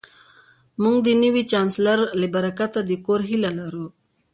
موږ د نوي چانسلر له برکته د کور هیله لرو